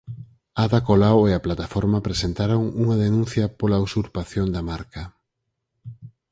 Ada Colau e a plataforma presentaron unha denuncia pola usurpación da marca.